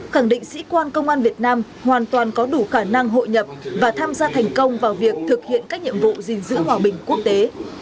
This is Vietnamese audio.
khẳng định sĩ quan công an việt nam hoàn toàn có đủ khả năng hội nhập và tham gia thành công vào việc thực hiện các nhiệm vụ gìn giữ hòa bình quốc tế